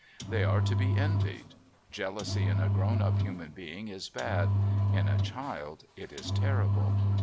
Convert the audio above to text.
They are to be envied. Jealousy in a grown up human being is bad; in a child it is terrible.